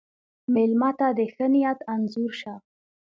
مېلمه ته د ښه نیت انځور شه.